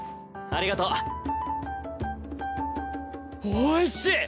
おいしい！